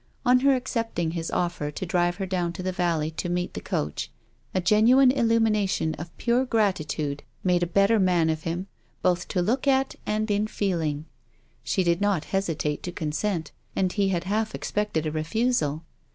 On her accepting his offer to drive her down to the valley to meet the coach, a genuine illumination of pure gratitude made a better man of him, both to look at and in feeling. She did not hesitate to consent; and he had half expected a refusal.